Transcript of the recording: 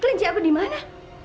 kelinci aku dimana